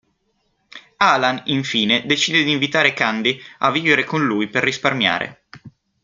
Alan, infine, decide di invitare Kandi a vivere con lui per risparmiare.